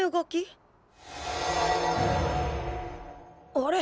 あれ！？